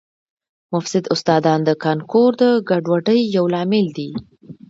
مفسد استادان د کانکور د ګډوډۍ یو لامل دي